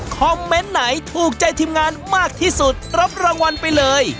เมนต์ไหนถูกใจทีมงานมากที่สุดรับรางวัลไปเลย